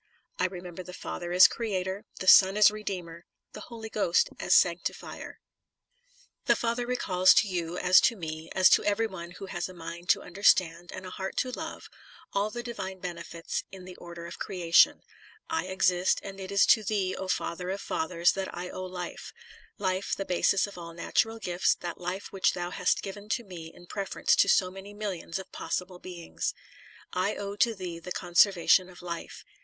I remember the Father as Creator, the Son as Redeemer, the Holy Ghost as sanctifier. The Father recalls to you, as to me, as to every one who has a mind to understand, and a heart to love, all the divine benefits in * Jerem. xviii. 13, 15. Ezcch. xxiii. 31, 35. Is. Ivii. 11, etc, etc. 24 278 The Sign of the Cross the order of creation. I exist, and it is to Thee, O Father of fathers, that I owe life; life the basis of all natural gifts, that life which thou hast given to me in preference to so many millions of possible beings. I owe to thee the conservation of life.